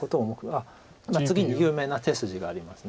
あっ次に有名な手筋があります。